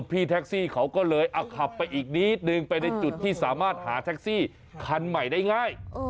พี่แท็กซี่เขาก็เลยเอาขับไปอีกนิดนึงไปในจุดที่สามารถหาแท็กซี่คันใหม่ได้ง่าย